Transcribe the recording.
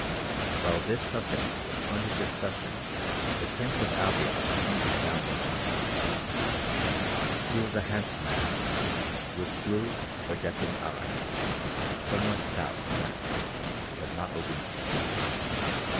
While this subject was under discussion the Prince of Albion sauntered down the walk. He was a handsome man, with blue projecting eyes, somewhat stout, perhaps, but not obese.